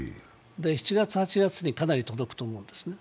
７月８月にかなり届くと思うんですね。